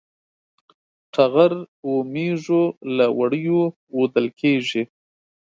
ټغر و مېږو له وړیو وُودل کېږي.